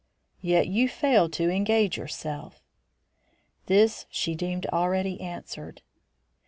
"Yet you failed to engage yourself?" This she deemed already answered.